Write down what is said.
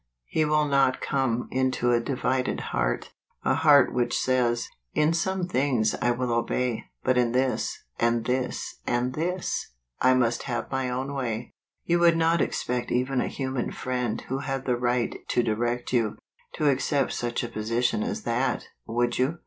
53 10. He will not come into a divided heart; a heart which says, "In some things I will obey ; but in this, and this, and this, I must have my own way." You would not expect even a human friend who had the right to direct you, to accept such a position as that, would you